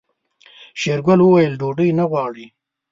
شېرګل وويل ډوډۍ نه غواړي.